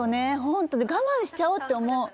本当我慢しちゃおうって思う。